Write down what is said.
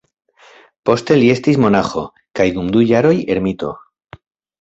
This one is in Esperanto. Poste li estis monaĥo, kaj dum du jaroj ermito.